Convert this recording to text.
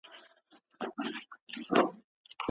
که ماشوم ته طعنه ورکړل سي نو زړه نازړه کیږي.